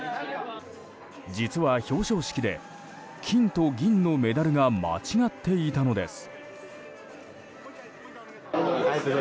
実は表彰式で金と銀のメダルが間違っていたのです。